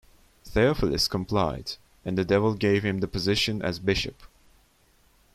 Theophilus complied, and the devil gave him the position as bishop.